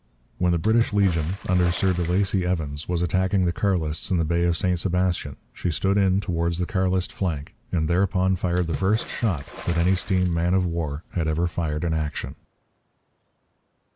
When the British Legion, under Sir de Lacy Evans, was attacking the Carlists in the bay of St Sebastian, she stood in towards the Carlist flank and thereupon fired the first shot that any steam man of war had ever fired in action.